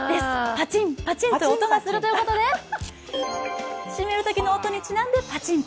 パチンパチンと音がするということで閉めるときの音にちなんで。